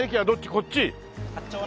こっち？